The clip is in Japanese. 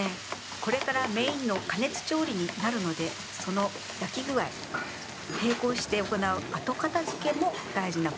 これからメインの加熱調理になるのでその焼き具合、並行して行う後片づけも大事なポイントです。